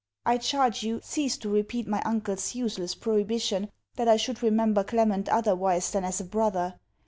I charge you, cease to repeat my uncle's useless prohibition, that I should remember Clement otherwise than as a brother.